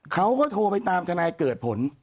เขาก็โทรไปตามทนายเกิดผล